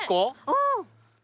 うん。